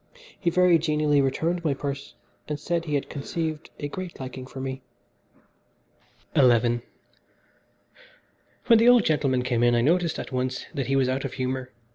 He very genially returned my purse, and said he had conceived a great liking for me. XI When the old gentleman came in I noticed at once that he was out of humour.